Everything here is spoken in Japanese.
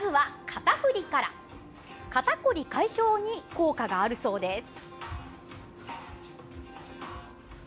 肩こり解消に効果があるそうです。